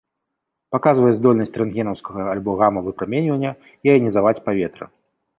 Паказвае здольнасць рэнтгенаўскага альбо гама-выпраменьвання іанізаваць паветра.